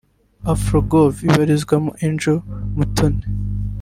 Afrogroov ibarizwamo Angel Mutoni